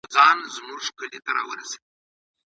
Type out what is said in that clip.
ټولنه د تعلیم له کمښت ځورېدلې وه.